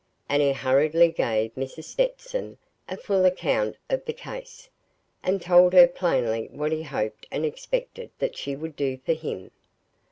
And he hurriedly gave Mrs. Stetson a full account of the case, and told her plainly what he hoped and expected that she would do for him.